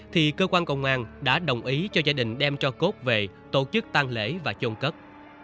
thì cơ quan công an đã đồng ý cho gia đình đem cho cốt về tổ chức tan lễ và chôn cất